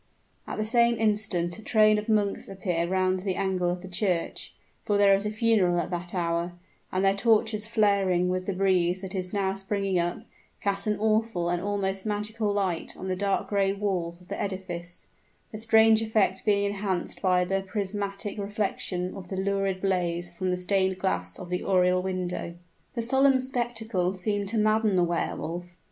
At the same instant a train of monks appear round the angle of the church for there is a funeral at that hour; and their torches flaring with the breeze that is now springing up, cast an awful and almost magical light on the dark gray walls of the edifice, the strange effect being enhanced by the prismatic reflection of the lurid blaze from the stained glass of the oriel window. The solemn spectacle seemed to madden the Wehr Wolf.